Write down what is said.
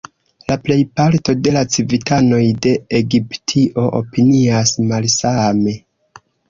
La plejparto de la civitanoj de Egiptio opinias malsame.